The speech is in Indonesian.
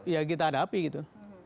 ya kita hadapi gitu